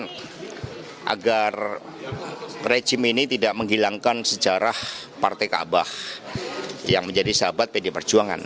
pdi perjuangan agar regime ini tidak menghilangkan sejarah partai kabah yang menjadi sahabat pdi perjuangan